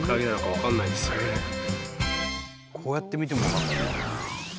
こうやって見ても分かんない。